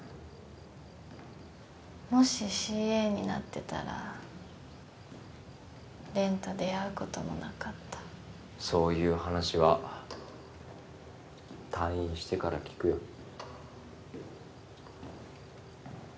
もしＣＡになってたら漣と出会うこともなかったそういう話は退院してから聞くよ